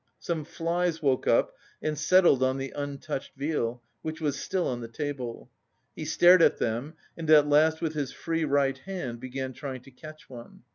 Some flies woke up and settled on the untouched veal, which was still on the table. He stared at them and at last with his free right hand began trying to catch one.